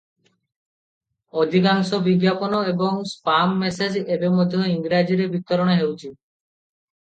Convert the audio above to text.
ଅଧିକାଂଶ ବିଜ୍ଞାପନ ଏବଂ ସ୍ପାମ ମେସେଜ ଏବେ ମଧ୍ୟ ଇଂରାଜୀରେ ବିତରଣ ହେଉଛି ।